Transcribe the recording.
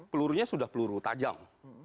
pelurunya sudah peluru tajam